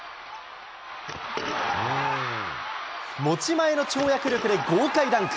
持ち前の跳躍力で豪快ダンク。